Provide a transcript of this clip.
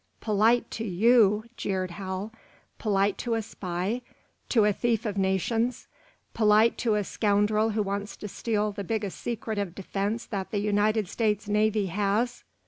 "Polite to you?" jeered Hal. "Polite to a spy to a thief of nations! Polite to a scoundrel who wants to steal the biggest secret of defense that the United States Navy has!"